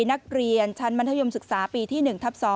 นักเรียนชั้นมัธยมศึกษาปีที่๑ทับ๒